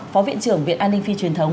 phó viện trưởng viện an ninh phi truyền thống